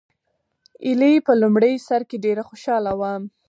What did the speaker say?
ایلي په لومړي سر کې ډېره خوشحاله وه.